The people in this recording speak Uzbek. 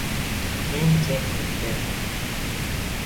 Men jerkib berdim: